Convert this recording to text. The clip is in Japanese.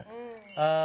ああ。